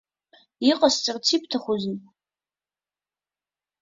Иҟасҵарц ибҭахузеи?